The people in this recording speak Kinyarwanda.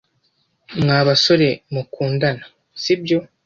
Mwa basore mukundana, sibyo?